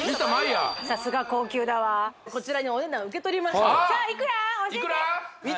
さすが高級だわこちらにお値段受け取りましたさあいくら教えて！